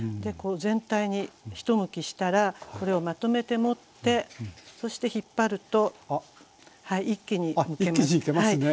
こう全体に一むきしたらこれをまとめて持ってそして引っ張ると一気にむけます。